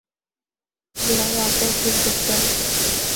یہ رنگ آپ پر خوب جچتا ہے